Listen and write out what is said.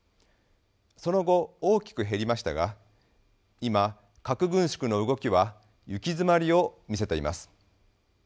その後大きく減りましたが今核軍縮の動きは行き詰まりを見せています。